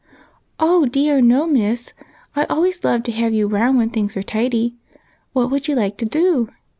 " Oh, dear, no, miss ; I always love to have you round when things are tidy. What would you like to do?"